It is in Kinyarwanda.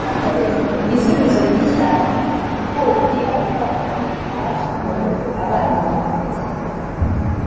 igisubizo gishya impfubyi abapfakazi abafashwe ku ngufu abana bavutse